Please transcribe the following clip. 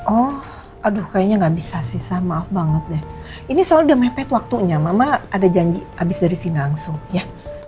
oh aduh kayaknya gak bisa sih saya maaf banget deh ini soal udah mepet waktunya mama ada janji abis dari sini langsung ya